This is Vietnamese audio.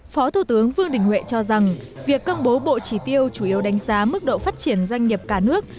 phó thủ tướng vương đình huệ cho rằng việc công bố bộ chỉ tiêu chủ yếu đánh giá mức độ phát triển doanh nghiệp cả nước